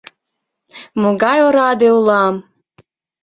Могай ораде улам!